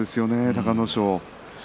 隆の勝は。